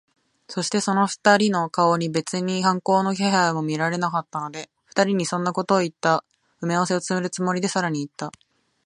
そして、二人の顔に別に反抗の気配も見られなかったので、二人にそんなことをいった埋合せをするつもりで、さらにいった。